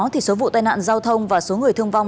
thì số vụ tai nạn giao thông và số người thương vong